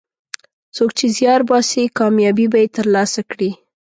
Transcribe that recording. څوک چې زیار باسي، کامیابي به یې ترلاسه کړي.